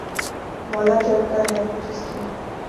’مولا جٹ‘ کا ہے جس کی